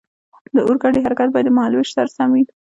د اورګاډي حرکت باید د مهال ویش سره سم وي.